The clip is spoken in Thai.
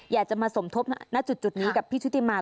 อยากจะมาสมทบหน้าจุดนี้กับพี่ชุติมา